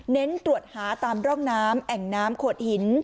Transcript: ตรวจหาตามร่องน้ำแอ่งน้ำโขดหิน